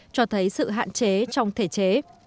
cho thấy sự hạn chế trong thể chế